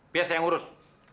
biasa yang urus